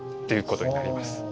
ということになります。